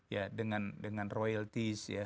ya dengan royalties